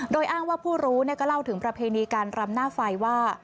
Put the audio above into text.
โดยอ้างว่าผู้รู้ก็เล่าถึงประเพณีการรำหน้าไฟว่า